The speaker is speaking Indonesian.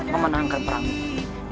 memenangkan perang ini